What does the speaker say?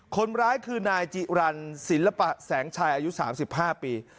คนร้ายคือนายจิรันศิลปะแสงชัยอายุ๓๕ปี